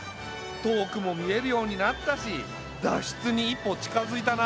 遠くも見えるようになったし脱出に一歩近づいたな。